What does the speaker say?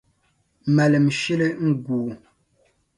Maalim shili n-gu o.